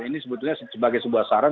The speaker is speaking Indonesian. ini sebetulnya sebagai sebuah saran